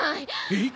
えっ？